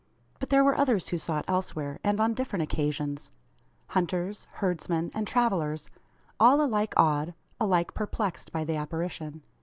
But there were others who saw it elsewhere and on different occasions hunters, herdsmen, and travellers all alike awed, alike perplexed, by the apparition.